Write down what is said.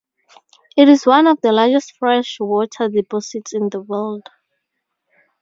It is one of the largest freshwater deposits in the world.